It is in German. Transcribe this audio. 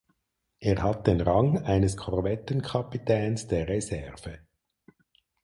Er hat den Rang eines Korvettenkapitäns der Reserve.